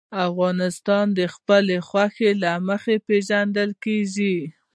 افغانستان د خپلو غوښې له مخې پېژندل کېږي.